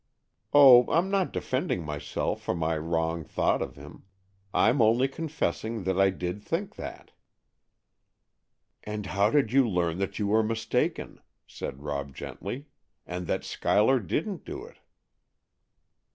Oh, I'm not defending myself for my wrong thought of him; I'm only confessing that I did think that." "And how did you learn that you were mistaken," said Rob gently, "and that Schuyler didn't do it?"